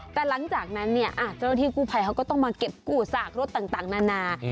แต่หลังจากนั้นเนี่ยเจ้าหน้าที่กู้ภัยเขาก็ต้องมาเก็บกู้สากรถต่างนานา